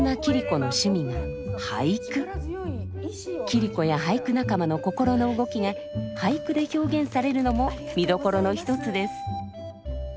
桐子や俳句仲間の心の動きが俳句で表現されるのも見どころの一つです。